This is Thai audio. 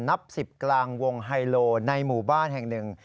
นับ๑๐กลางวงไฮโลในหมู่บ้านแห่งหนึ่ง